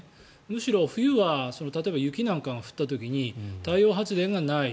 むしろ冬は例えば雪なんかが降った時に太陽発電がない。